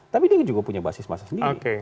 tapi dia juga punya basis masa sendiri